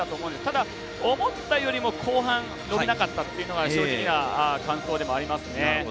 ただ思ったよりも後半伸びなかったっていうのは正直な感想でもありますね。